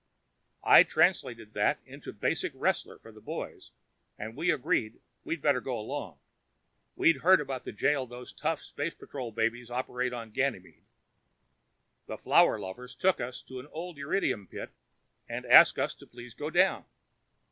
I translated that into basic wrestler for the boys and we agreed we'd better go along. We'd heard about the jail those tough space patrol babies operate on Ganymede. The flower lovers took us to an old erydnium pit and asked us to please go down.